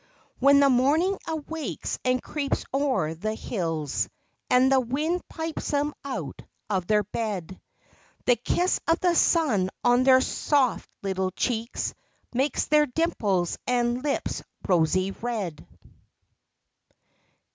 When the morning awakes and creeps o'er the hills, And the wind pipes them out of their bed, The kiss of the sun on their soft little cheeks Makes their dimples and lips rosy red.